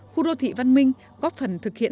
khu đô thị văn minh góp phần thực hiện